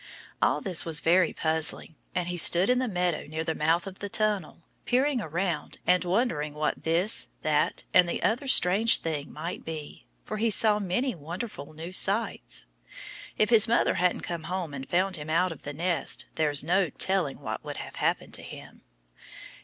All this was very puzzling. And he stood in the meadow near the mouth of the tunnel, peering around and wondering what this, that and the other strange thing might be. For he saw many wonderful new sights. If his mother hadn't come home and found him out of the nest there's no telling what would have happened to him.